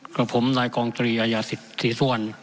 กลับผมนายกองตรีอศิษวร